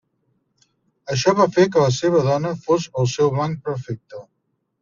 Això va fer que la seva dona fos el seu blanc perfecte.